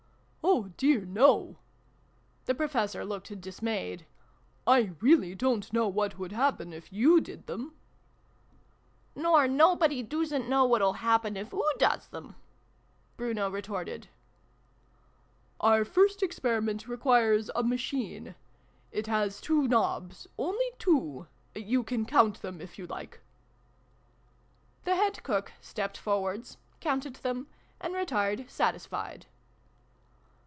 " Oh dear no !" The Professor looked dis mayed. " I really don't know what would happen if you did them !"" Nor nobody doosn't know what'll happen if oo doos them !" Bruno retorted. " Our First Experiment requires a Machine. It has two knobs only two you can count thern, if you like." The Head Cook stepped forwards, counted them, and retired satisfied.